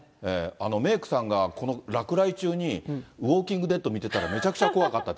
メークさんが、この落雷中に、ウォーキングデッド見てたら、めちゃくちゃ怖かったって。